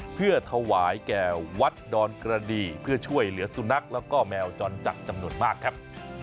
เพื่อถวายแก่วัดดอนกระดีเพื่อช่วยเหลือสุนัขแล้วก็แมวจรจัดจำนวนมากครับ